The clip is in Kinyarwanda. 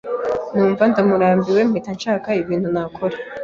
numva ndaburambiwe mpita nshaka ikintu nakora